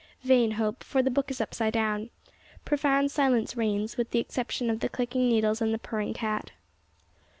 Vain hope, for the book is upside down. Profound silence reigns, with the exception of the clicking needles and the purring cat.